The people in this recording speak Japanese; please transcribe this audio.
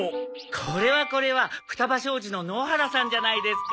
これはこれは双葉商事の野原さんじゃないですか！